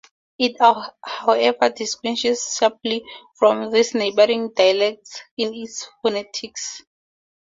It however distinguishes sharply from these neighboring dialects in its phonetics.